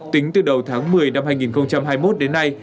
tính từ đầu tháng một mươi năm hai nghìn hai mươi một đến nay